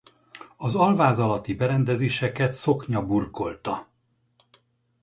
Az alváz alatti berendezéseket szoknya burkolta.